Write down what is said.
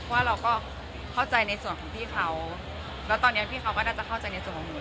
ว่าเราก็เข้าใจในส่วนของพี่เขาแล้วตอนนี้พี่เขาก็น่าจะเข้าใจในส่วนของหนู